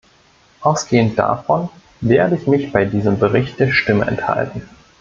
Ausgehend davon werde ich mich bei diesem Bericht der Stimme enthalten.